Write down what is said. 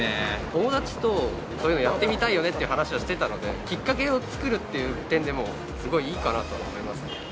友達とそういうの、ちょっとやってみたいよねって話してたんで、きっかけを作るという点でも、すごいいいかなと思いますね。